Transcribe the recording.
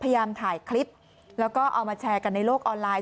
พยายามถ่ายคลิปแล้วก็เอามาแชร์กันในโลกออนไลน์